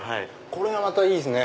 これがまたいいですね。